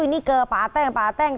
ini ke pak ateng pak ateng